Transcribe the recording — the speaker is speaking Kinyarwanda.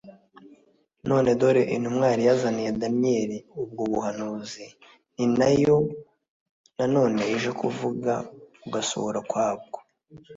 None dore intumwa yari yazaniye Danieli ubwo buhanuzi ni yo na none ije kuvuga ugusohora kwa bwo.